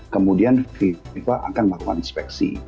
kemudian fifa akan melakukan inspeksi